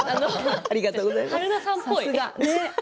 春菜さんっぽい。